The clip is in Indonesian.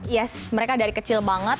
yes mereka dari kecil banget